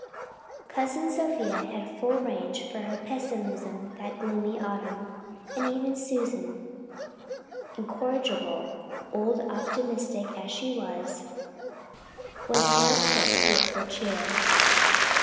Cousin Sophia had full range for her pessimism that gloomy autumn, and even Susan, incorrigible old optimist as she was, was hard put to it for cheer.